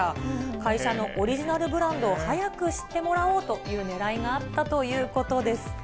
会社のオリジナルブランドを早く知ってもらおうというねらいがあったということです。